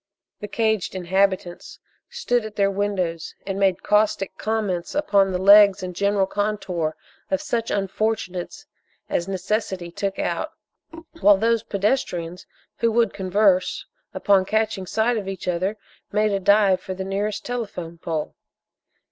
The caged inhabitants stood at their windows and made caustic comments upon the legs and general contour of such unfortunates as necessity took out, while those pedestrians who would converse, upon catching sight of each other made a dive for the nearest telephone pole.